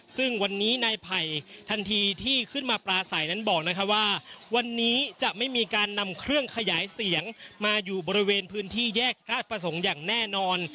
ซึ่งวันนี้นายไผ่ทันทีที่ขึ้นมาปลาใสนั้นบอกว่าวันนี้จะไม่มีการนำเครื่องขยายเสียงมาอยู่บริเวณพื้นที่แยกราชประสงค์อย่างแน่นอน